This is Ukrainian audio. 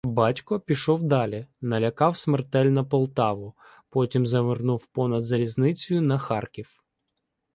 "Батько" пішов далі, налякав смертельно Полтаву, потім завернув понад залізницею на Харків.